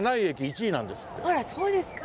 あらそうですか？